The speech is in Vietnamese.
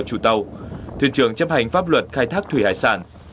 thuyền trường chấp hành pháp luật khai thác thủy hải sản